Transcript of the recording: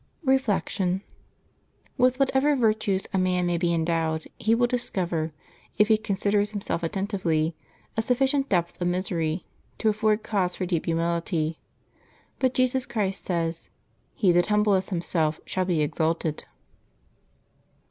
Reflection. — With whatever virtues a man may be en dowed, he will discover, if he considers himself attentively, a sufficient depth of misery to afford cause for deep humility ; but Jesus Christ says, " He that humbleth him self shall be exalted."